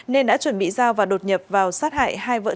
nên đã chuẩn bị giao và đột nhập vào sát hại hai vợ chồng ông giới